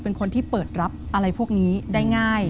เป็นคนที่เปิดรับอะไรพวกนี้ได้ง่าย